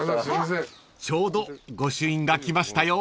［ちょうど御朱印が来ましたよ］